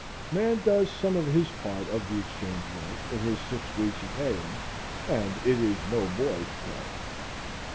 Man does some of his part of the exchange work in his six weeks of haying, and it is no boy's play.